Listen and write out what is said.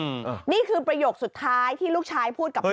นี่คือประโยคสุดท้ายที่ลูกชายพูดกับพ่อ